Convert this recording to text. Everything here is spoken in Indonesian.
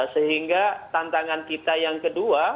sehingga tantangan kita yang kedua